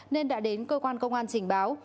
nên đã đến cơ quan công an trình báo